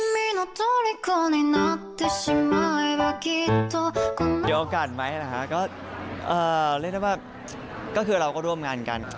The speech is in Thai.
มีโอกาสไหมล่ะฮะก็เรียกได้ว่าก็คือเราก็ร่วมงานกัน